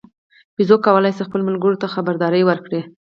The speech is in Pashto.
بیزو کولای شي خپلو ملګرو ته خبرداری ورکړي.